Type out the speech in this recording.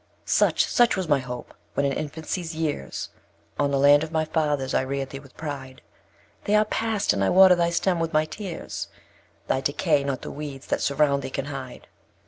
2. Such, such was my hope, when in Infancy's years, On the land of my Fathers I rear'd thee with pride; They are past, and I water thy stem with my tears, Thy decay, not the weeds that surround thee can hide.